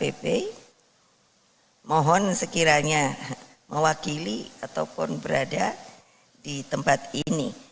dpp mohon sekiranya mewakili ataupun berada di tempat ini